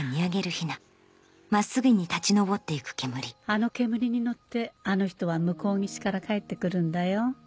あの煙に乗ってあの人は向こう岸から帰ってくるんだよ。